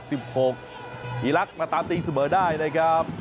อีรักษ์มาตามตีเสมอได้นะครับ